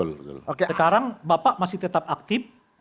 sekarang bapak masih tetap aktif